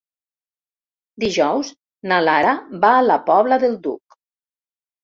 Dijous na Lara va a la Pobla del Duc.